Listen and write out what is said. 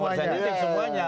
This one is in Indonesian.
ya oversensitive semuanya